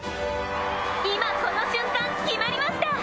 今この瞬間決まりました！